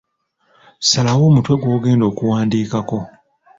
Salawo omutwe gw'ogenda okuwandiikako.